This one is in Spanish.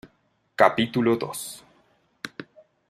capítulo dos.